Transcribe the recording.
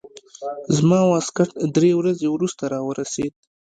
زما واسکټ درې ورځې وروسته راورسېد.